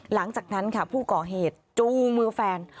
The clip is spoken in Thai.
หลังจากนั้นค่ะผู้ก่อเหตุจูงมือแฟน